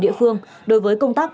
địa phương đối với công tác